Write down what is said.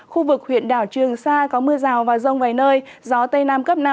khu vực huyện đảo trường sa có mưa rào và rông vài nơi gió tây nam cấp năm